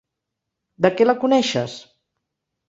De què la coneixes?